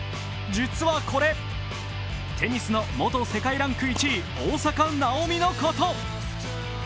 実はこれテニスの元世界ランク１位大坂なおみのこと。